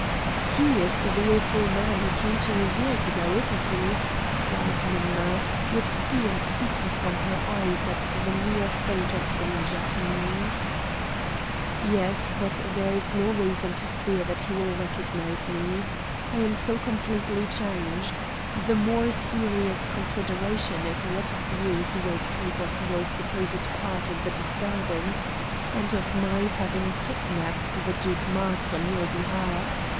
"He is the awful man who came to you years ago, isn't he?" cried Minna, with fear speaking from her eyes at the mere thought of danger to me. "Yes but there is no reason to fear that he will recognize me. I am so completely changed. The more serious consideration is what view he will take of your supposed part in the disturbance, and of my having kidnapped the Duke Marx on your behalf.